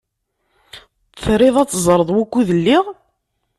Triḍ ad teẓṛeḍ wukud lliɣ?